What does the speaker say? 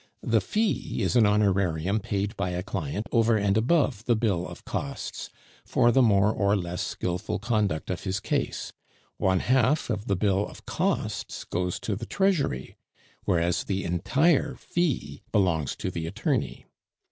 The fee is a honorarium paid by a client over and above the bill of costs, for the more or less skilful conduct of his case. One half of the bill of costs goes to the Treasury, whereas the entire fee belongs to the attorney.